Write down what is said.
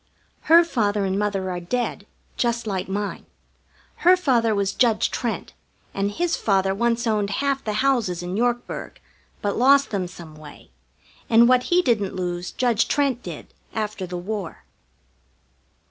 Her father and mother are dead, just like mine. Her father was Judge Trent, and his father once owned half the houses in Yorkburg, but lost them some way, and what he didn't lose Judge Trent did after the war.